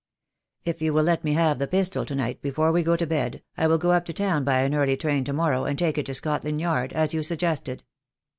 "If you will let me have the pistol to night before we go to bed I will go up to town by an early train to morrow and take it to Scotland Yard, as you sug gested."